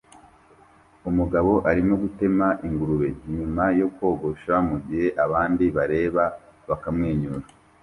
Umugabo arimo gutema ingurube nyuma yo kogosha mugihe abandi bareba bakamwenyura